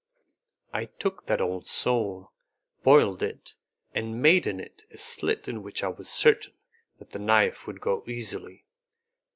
I took that old sole, boiled it, and made in it a slit in which I was certain that the knife would go easily.